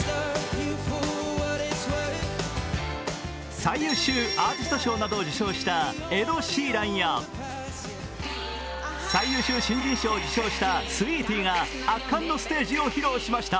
最優秀アーティスト賞などを受賞したエド・シーランや、最優秀新人賞を受賞したスウィーティーが圧巻のステージを披露しました。